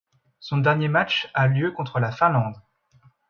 Son dernier match a lieu le contre la Finlande.